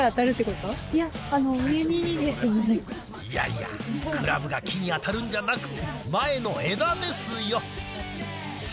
いやいやクラブが木に当たるんじゃなくて前の枝ですよ。